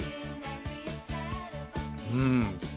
うん。